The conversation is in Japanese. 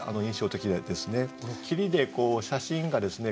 霧で写真がですね